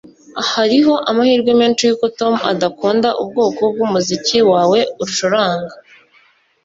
Hariho amahirwe menshi yuko Tom adakunda ubwoko bwumuziki wawe ucuranga